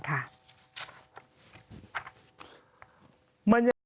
ขอบคุณค่ะ